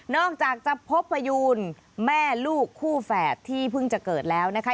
อกจากจะพบพยูนแม่ลูกคู่แฝดที่เพิ่งจะเกิดแล้วนะคะ